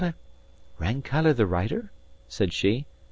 "Rankeillor the writer?" said she.